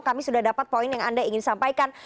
kami sudah dapat poin yang anda ingin sampaikan